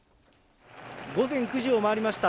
午前９時を回りました。